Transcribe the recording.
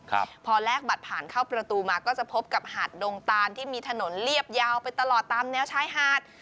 ครับพอแลกบัตรผ่านเข้าประตูมาก็จะพบกับหาดดงตานที่มีถนนเรียบยาวไปตลอดตามแนวชายหาด